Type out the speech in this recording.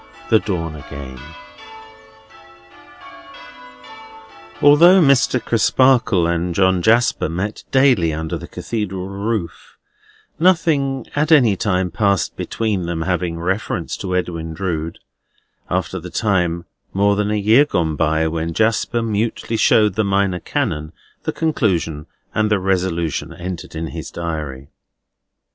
THE DAWN AGAIN Although Mr. Crisparkle and John Jasper met daily under the Cathedral roof, nothing at any time passed between them having reference to Edwin Drood, after the time, more than half a year gone by, when Jasper mutely showed the Minor Canon the conclusion and the resolution entered in his Diary.